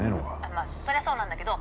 「まあそりゃそうなんだけど」